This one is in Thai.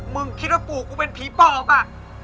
คิดว่าปู่กูเป็นผีปอบอ่ะ